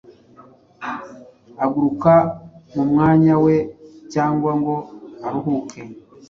Aguruka mu mwanya we, cyangwa ngo aruhuke